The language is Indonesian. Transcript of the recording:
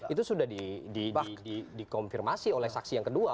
itu sudah dikonfirmasi oleh saksi yang kedua